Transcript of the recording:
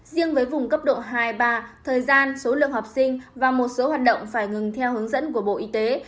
riêng với vùng cấp độ hai ba thời gian số lượng học sinh và một số hoạt động phải ngừng theo hướng dẫn của bộ y tế